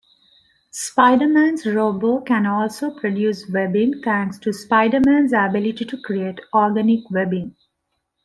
Spider-Man's robot can also produce webbing thanks to Spider-Man's ability to create organic webbing.